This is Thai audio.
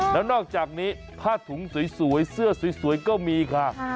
แล้วนอกจากนี้ผ้าถุงสวยเสื้อสวยก็มีค่ะ